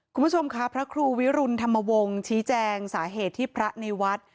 คุณผู้ชมค่ะพระครูวิรุณธรรมวงศ์ชี้แจงสาเหตุที่พระในวัด